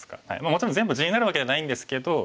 もちろん全部地になるわけではないんですけど。